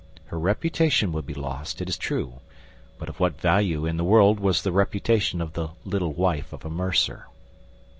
Her reputation would be lost, it is true; but of what value in the world was the reputation of the little wife of a mercer?